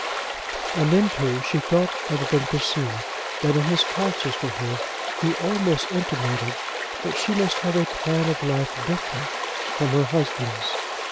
And then, too, she felt, rather than perceived, that in his counsels to her he almost intimated that she must have a plan of life different from her husband's.